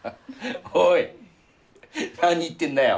おい何言ってんだよ？